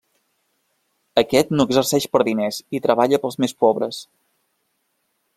Aquest no exerceix per diners i treballa pels més pobres.